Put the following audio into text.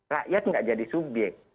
rakyat tidak jadi subyek